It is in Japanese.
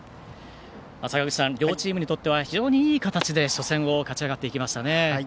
坂口さん、両チームにとっては非常にいい形で初戦を勝ち上がっていきましたね。